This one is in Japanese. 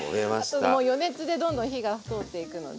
あともう余熱でどんどん火がとおっていくので。